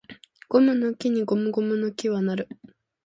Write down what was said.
ゴムの木にゴムゴムの木は成る